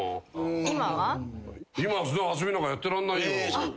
今は遊びなんかやってらんないよ。